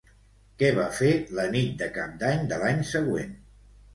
Què va fer la nit de Cap d'Any de l'any següent?